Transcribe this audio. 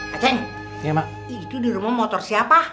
aceh itu di rumah motor siapa